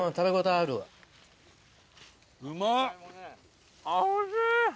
あぁおいしい！